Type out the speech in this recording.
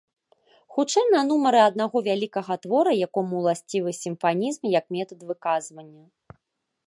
Хутчэй на нумары аднаго вялікага твора, якому ўласцівы сімфанізм як метад выказвання.